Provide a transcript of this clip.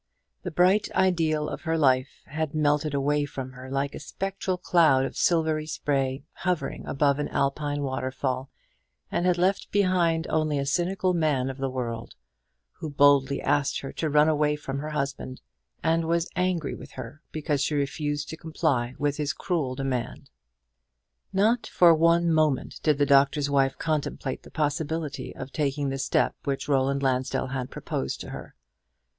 The bright ideal of her life had melted away from her like a spectral cloud of silvery spray hovering above an Alpine waterfall, and had left behind only a cynical man of the world, who boldly asked her to run away from her husband, and was angry with her because she refused to comply with his cruel demand. Not for one moment did the Doctor's Wife contemplate the possibility of taking the step which Roland Lansdell had proposed to her.